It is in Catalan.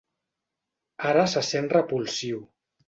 Ara se sent repulsiu.